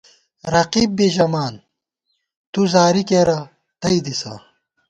رقیب بی ژَمان ، تُو زاری کېرہ تئ دِسہ